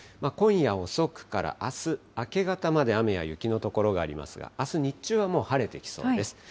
今夜遅くからあす明け方まで、雨や雪の所がありますが、あす日中はもう晴れてきそうです。